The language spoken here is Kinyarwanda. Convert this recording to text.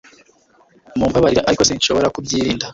Mumbabarire ariko sinshobora kubyirinda